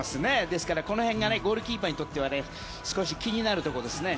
ですからこの辺がゴールキーパーにとっては少し気になるところですね。